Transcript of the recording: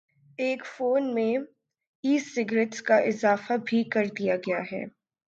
ایک فون میں "e cigarette" کا اضافہ بھی کر دیا گیا ہے